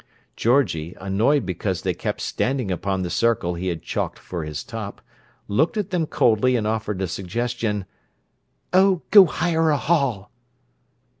Georgie, annoyed because they kept standing upon the circle he had chalked for his top, looked at them coldly and offered a suggestion: "Oh, go hire a hall!"